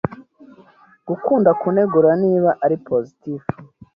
gukunda kunegura niba ari positif